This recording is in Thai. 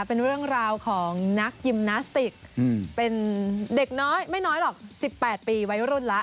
เป็นเรื่องราวของนักยิมนาสติกเป็นเด็กน้อยไม่น้อยหรอก๑๘ปีวัยรุ่นแล้ว